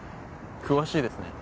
詳しいですね。